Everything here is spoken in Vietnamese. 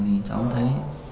thì cháu thấy